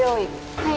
はい